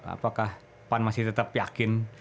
apakah pan masih tetap yakin